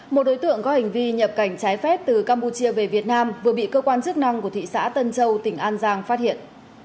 một đối tượng có hành vi nhập cảnh trái phép từ campuchia về việt nam vừa bị cơ quan chức năng của thị xã tân châu tỉnh an giang phát hiện